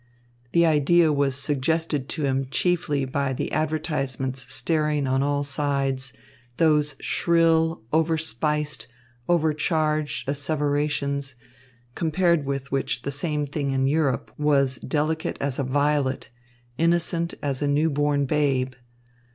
The idea was suggested to him chiefly by the advertisements staring on all sides, those shrill, over spiced, over charged asseverations, compared with which the same thing in Europe was delicate as a violet, innocent as a newborn babe.